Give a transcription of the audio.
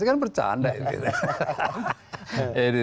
ini kan bercanda ini